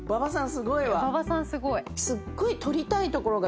すごい。